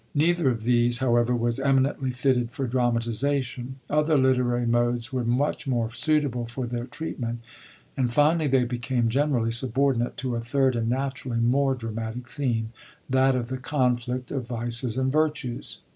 Neither of these, however, was eminently fitted for dramatisation ; other literary modes were much more suitable for their treat ment; and finally they became generally subordinate to a third and naturally more dramatic theme, that of the Oonfiict of Vices and Virtues.